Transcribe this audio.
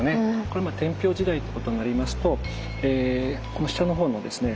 これまあ天平時代っていうことになりますとこの下の方のですね